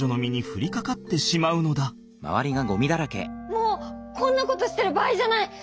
もうこんなことしてる場合じゃない！